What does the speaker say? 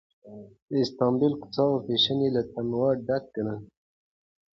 د استانبول کوڅې او فېشن یې له تنوع ډک ګڼل.